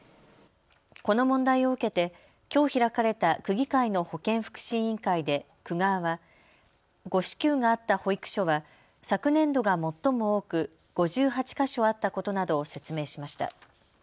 この問題を受けてきょう開かれた区議会の保健福祉委員会で区側は誤支給があった保育所は昨年度が最も多く５８か所あったことなどを説明しました。